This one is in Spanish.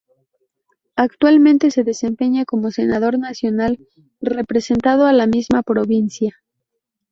Actualmente se desempeña como senador nacional representando a la misma provincia.